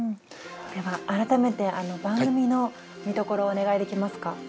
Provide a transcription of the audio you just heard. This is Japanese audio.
では改めて番組の見どころをお願いできますか。